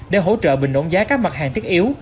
để hỗ trợ bình ổn giá các mặt hàng thiết yếu